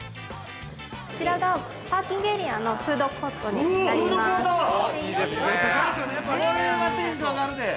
こちらがパーキングエリアのフードコートになります。